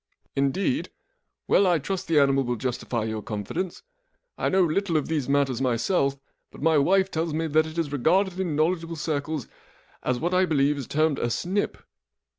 " indeed ? Well. I trust the animal will justify your confidence. I know little of these matters myself, but my wife tells me that it is regarded in knowledgeable circles as what I believe is termed a snip."